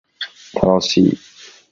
楽しい